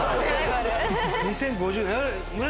２０５０年あれ？